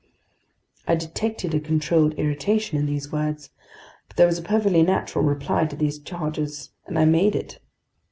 I detected a controlled irritation in these words. But there was a perfectly natural reply to these charges, and I made it.